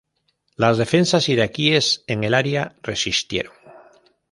Las defensas iraquíes en el área resistieron.